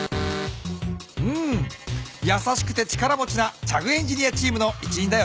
うんやさしくて力持ちなチャグ・エンジニアチームの一員だよね。